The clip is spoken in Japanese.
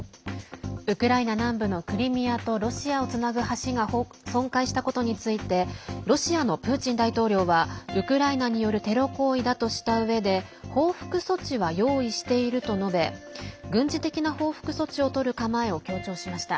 ウクライナ南部のクリミアとロシアをつなぐ橋が損壊したことについてロシアのプーチン大統領はウクライナによるテロ行為だとしたうえで報復措置は用意していると述べ軍事的な報復措置をとる構えを強調しました。